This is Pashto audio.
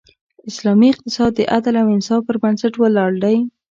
اسلامی اقتصاد د عدل او انصاف پر بنسټ ولاړ دی.